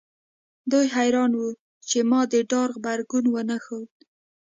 دوی حیران وو چې ما د ډار غبرګون ونه ښود